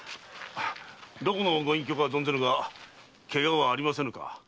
どこのご隠居か存ぜぬが怪我はありませぬか？